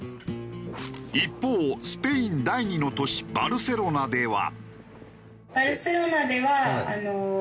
一方スペイン第２の都市バルセロナでは。